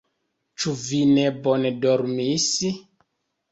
Ĉu vi ne bone dormis?